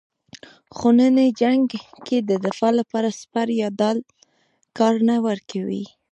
خو نننی جنګ کې د دفاع لپاره سپر یا ډال کار نه ورکوي.